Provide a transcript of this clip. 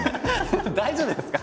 大丈夫ですか？